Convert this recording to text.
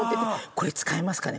「これ使えますかね？」